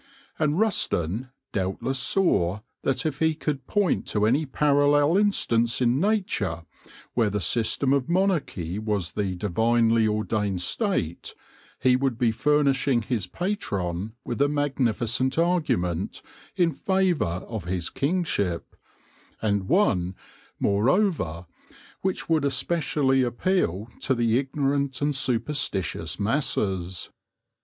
And Rusden, doubtless, saw that if he could point to any parallel instance in Nature where the system of monarchy was the divinely ordained state, he would be furnishing his patron with a magnificent argument in favour of his kingship, and one, moreover, which would especially appeal to the ignorant and super stitious masses.